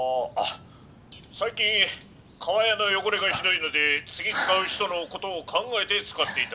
最近かわやの汚れがひどいので次使う人のことを考えて使って頂きたい。